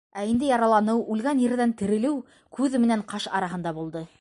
Ә инде яраланыу, үлгән ерҙән терелеү күҙ менән ҡаш араһында булды.